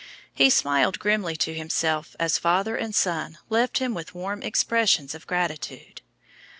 He smiled grimly to himself as father and son left him with warm expressions of gratitude.